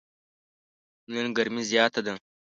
نن ګرمي زیاته ده.